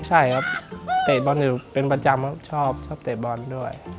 แต่มันเป็นประจำฉ่อบเตะบอลด้วย